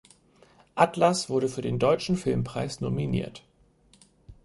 Atlas wurde für den Deutschen Filmpreis nominiert.